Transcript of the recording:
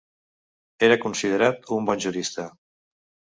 Era considerat un bon jurista.